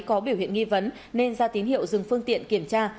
có biểu hiện nghi vấn nên ra tín hiệu dừng phương tiện kiểm tra